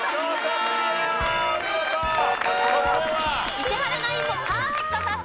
石原ナインもパーフェクト達成！